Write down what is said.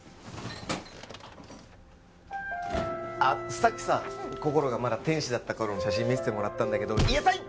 ああさっきさこころがまだ天使だった頃の写真見せてもらったんだけど癒やされ。